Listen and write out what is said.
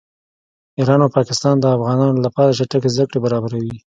ایران او پاکستان د افغانانو لپاره چټکې زده کړې برابروي